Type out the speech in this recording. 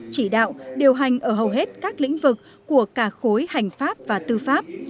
chỉ đạo điều hành ở hầu hết các lĩnh vực của cả khối hành pháp và tư pháp